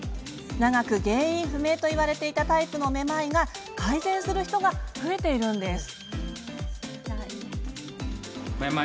長く原因不明といわれていたタイプのめまいが改善する人が増えています。